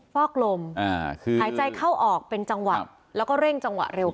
ฟอกลมหายใจเข้าออกเป็นจังหวัดแล้วก็เร่งจังหวัดเร็วขึ้น